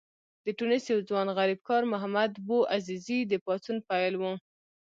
د ټونس یو ځوان غریبکار محمد بوعزیزي د پاڅون پیل و.